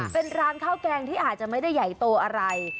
เป็นร้านข้าวแกงที่อาจจะไม่ได้ใหญ่โตอะไร